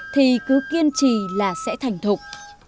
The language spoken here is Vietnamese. thì cứ kiên trì là sẽ thành thục